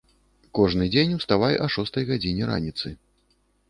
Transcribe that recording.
Кожны дзень уставай а шостай гадзіне раніцы.